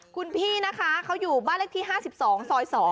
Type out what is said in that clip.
คุณพี่นะคะเขาอยู่บ้านเลขที่๕๒ซอย๒